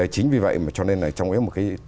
chính vì vậy cho nên là trong một cái